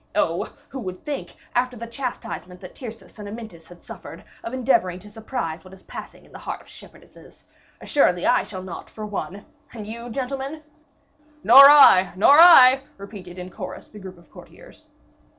"Oh! who would think, after the chastisement that Tyrcis and Amyntas had suffered, of endeavoring to surprise what is passing in the heart of shepherdesses? Assuredly I shall not, for one; and, you, gentlemen?" "Nor I! nor I!" repeated, in a chorus, the group of courtiers.